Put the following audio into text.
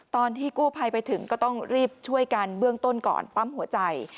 ตอนที่กู้ภัยไปถึงก็ต้องรีบช่วยกันเบื้องต้นก่อนปั๊มหัวใจ